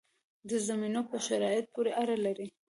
د زمینو په شرایطو پورې اړه لري.